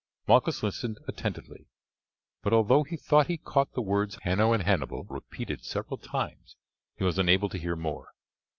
Malchus listened attentively, but although he thought he caught the words Hanno and Hannibal repeated several times, he was unable to hear more.